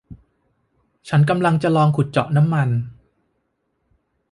ฉันกำลังจะลองขุดเจาะน้ำมัน